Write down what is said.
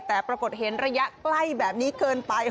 แต่ปรากฏเห็นระยะใกล้แบบนี้เกินไป